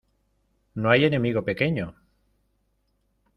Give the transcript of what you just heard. No hay enemigo pequeño.